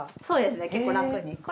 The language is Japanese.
そうですね結構楽に。